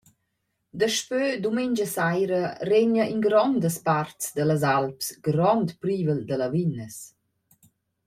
Daspö dumengia saira regna in grondas parts da las Alps grond privel da lavinas.